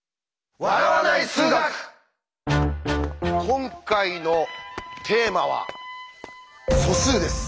今回のテーマは「素数」です。